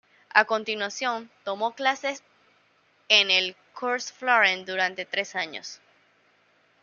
A continuación, tomó clases en el Cours Florent durante tres años.